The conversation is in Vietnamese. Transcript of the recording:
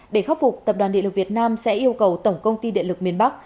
để khắc phục tập đoàn địa lực việt nam sẽ yêu cầu tổng công ty điện lực miền bắc